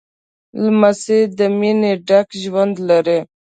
لمسی له مینې ډک ژوند لري.